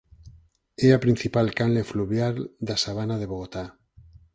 É a principal canle fluvial da sabana de Bogotá.